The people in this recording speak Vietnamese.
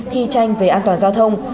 thi tranh về an toàn giao thông